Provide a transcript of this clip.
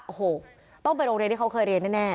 โอ้โหต้องไปโรงเรียนที่เขาเคยเรียนแน่